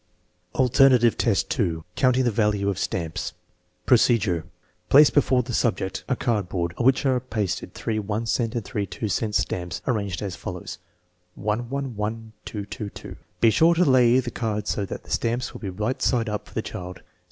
IX, Alternative test 2 : counting the value of stamps Procedure. Place before the subject a cardboard on which are pasted three 1 cent and three 2 cent stamps arranged as follows: 111222. Be sure to lay the card so that the stamps will be right side up for the child.